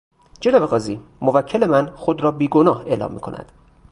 جناب قاضی، موکل من خود را بیگناه اعلام میکند.